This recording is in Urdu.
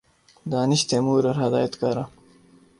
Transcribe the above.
دانش تیمور اور ہدایت کارہ